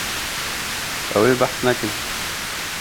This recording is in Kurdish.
Ew ê behs nekin.